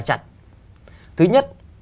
chặt thứ nhất